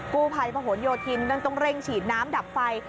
กู้ภัยพะหนโยธินต้องเร่งฉีดน้ำดับไฟ